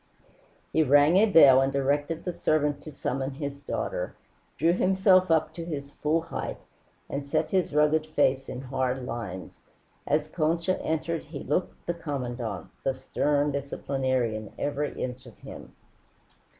He rang a bell and directed the servant to summon his daughter, drew himself up to his full height, and set his rugged face in hard lines. As Concha entered he looked the Commandante, the stern disciplinarian, every inch of him.